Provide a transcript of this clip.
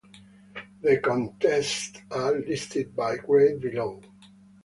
The contests are listed by grade below.